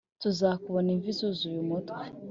tuzakubona imvi zuzuye umutwe